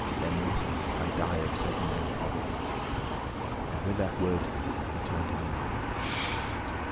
Then must I die of sudden death horrible." And with that word he turned him anon.